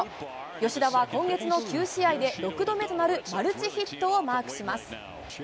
吉田は今月の９試合で６度目となるマルチヒットをマークします。